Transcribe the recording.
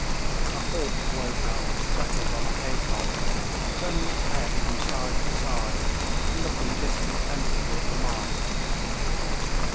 A hawk woke up and settled on a haycock, turning its head from side to side and looking discontentedly at the marsh.